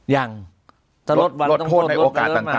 ยังลดโทษในโอกาสต่าง